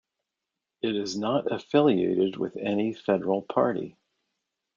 It is not affiliated with any federal party.